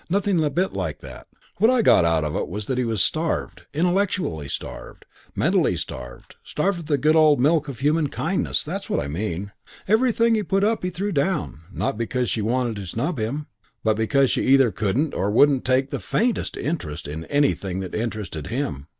Nothing a bit like that. What I got out of it was that he was starved, intellectually starved, mentally starved, starved of the good old milk of human kindness that's what I mean. Everything he put up he threw down, not because she wanted to snub him, but because she either couldn't or wouldn't take the faintest interest in anything that interested him.